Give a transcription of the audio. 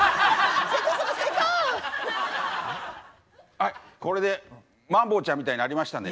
はいこれでマンボウちゃんみたいになりましたんでね。